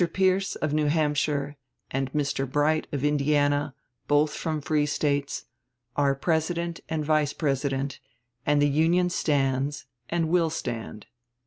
Pierce, of New Hampshire, and Mr. Bright, of Indiana, both from free States, are President and Vice President, and the Union stands and will stand.